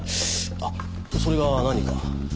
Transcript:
あっそれが何か？